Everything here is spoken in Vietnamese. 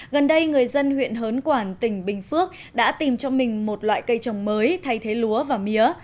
gần đây người dân huyện hớn quản tỉnh bình phước đã tìm cho mình một loại cây trồng mới thay thế lúa và mía